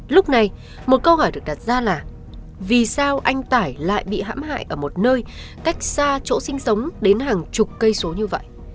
lúc này một câu hỏi được đặt ra là vì sao anh tải lại bị hãm hại ở một nơi cách xa chỗ sinh sống đến hàng chục cây số như vậy